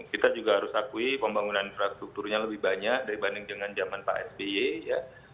kita juga harus akui pembangunan infrastrukturnya lebih banyak dibanding dengan zaman pak sby ya